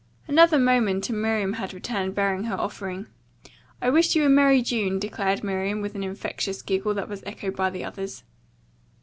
Another moment and Miriam had returned bearing her offering. "I wish you a merry June," declared Miriam with an infectious giggle that was echoed by the others.